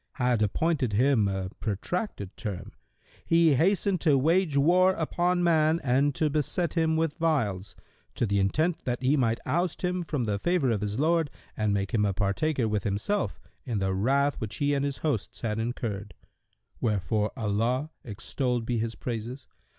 had appointed him a protracted term,[FN#128] he hastened to wage war upon man and to beset him with wiles, to the intent that he might oust him from the favour of his Lord and make him a partaker with himself in the wrath which he and his hosts had incurred; wherefore Allah (extolled be His praises!)